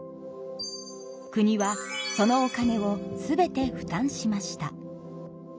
国はそのお金を全て負担しました。